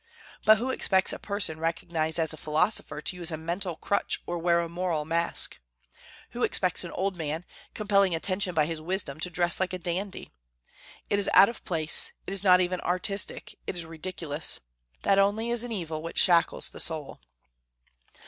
But who expects a person recognized as a philosopher to use a mental crutch or wear a moral mask? Who expects an old man, compelling attention by his wisdom, to dress like a dandy? It is out of place; it is not even artistic, it is ridiculous. That only is an evil which shackles the soul.